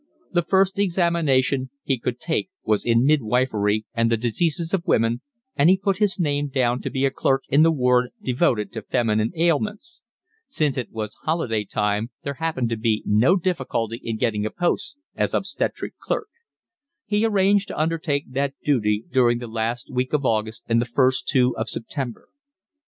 The first examination he could take was in midwifery and the diseases of women, and he put his name down to be a clerk in the ward devoted to feminine ailments; since it was holiday time there happened to be no difficulty in getting a post as obstetric clerk; he arranged to undertake that duty during the last week of August and the first two of September.